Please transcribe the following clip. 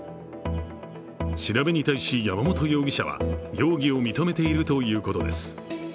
調べに対し、山本容疑者は容疑を認めているということです。